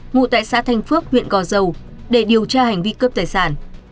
ngụ tại xã thanh phước huyện gò dầu để điều tra hành vi cướp tài sản